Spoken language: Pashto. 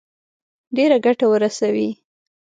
ډېره ګټه ورسوي.